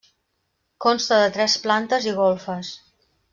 Consta de tres plantes i golfes.